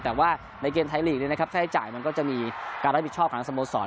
แต่ว่าในเกมไทยลีกค่าใช้จ่ายมันก็จะมีการรับผิดชอบของสโมสร